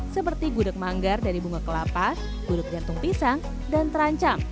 seperti gudeg manggar dari bunga kelapa gudeg jantung pisang dan terancam